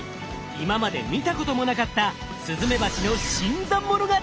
今まで見たこともなかったスズメバチの新参者が登場。